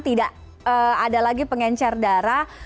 tidak ada lagi pengencer darah